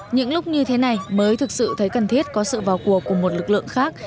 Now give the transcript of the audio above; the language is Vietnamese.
những lúc như thế này mới thực sự thấy cần thiết có sự vào cuộc của một lực lượng khác